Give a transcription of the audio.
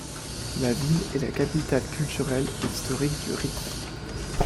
La ville est la capitale culturelle et historique du Rif.